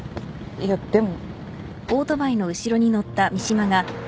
いやでも。